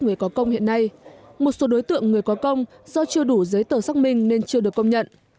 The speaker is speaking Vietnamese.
người có công hiện nay một số đối tượng người có công do chưa đủ giấy tờ xác minh nên chưa được công nhận